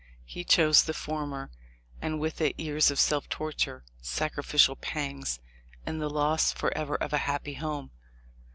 He chose the former, and with it years of self torture, sacrificial pangs, and the loss forever of a happy home.